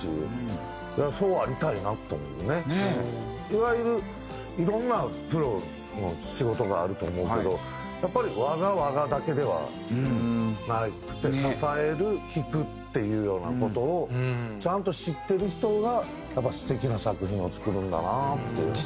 いわゆるいろんなプロの仕事があると思うけどやっぱり我が我がだけではなくて支える引くっていうような事をちゃんと知ってる人がやっぱ素敵な作品を作るんだなっていうのが。